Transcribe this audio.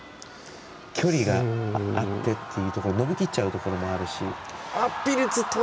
距離があってっていうところが伸びきっちゃうところもあるし。